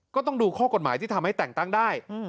ก็ต้องดูข้อกฎหมายที่ทำให้แต่งตั้งได้